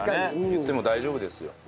言っても大丈夫ですよ。